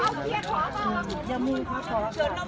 อันนี้ดูไม่แล้วหรอกนะอ่ะ